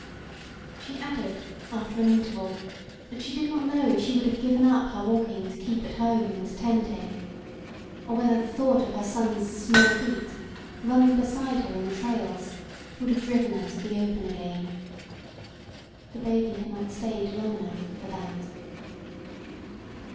She added after an interval, that she did not know if she would have given up her walking to keep at home and tend him, or whether the thought of her son's small feet running beside her in the trails would have driven her to the open again. The baby had not stayed long enough for that.